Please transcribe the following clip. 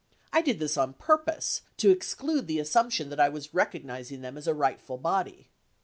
I did this on purpose to exclude the assump tion that I was recognizing them as a rightful body.